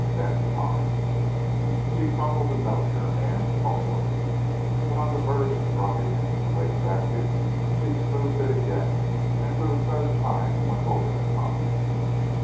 BEN CONNOR. She crumpled the note in her hand thoughtfully, but, on the verge of dropping it in the waste basket, she smoothed it again, and for the third time went over the contents.